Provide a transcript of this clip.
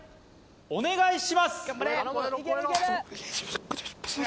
お願いします